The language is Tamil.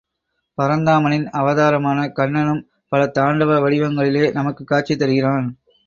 பரந்தாமனின் அவதாரமான கண்ணனும் பல தாண்டவ வடிவங்களிலே நமக்கு காட்சி தருகிறான்.